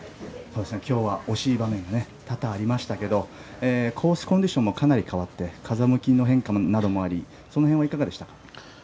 今日は惜しい場面が多々ありましたけれどコースコンディションもかなり変わって風向きの変化もありその辺はいかがですか。